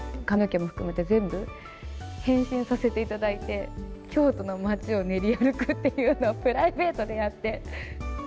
髪の毛も含めて、全部変身させていただいて、京都の街を練り歩くっていうのをプライベートでやって。